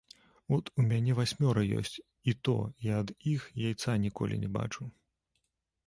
От у мяне васьмёра ёсць, і то я ад іх яйца ніколі не бачу.